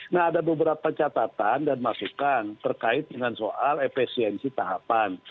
nah ada beberapa catatan dan masukan terkait dengan soal efisiensi tahapan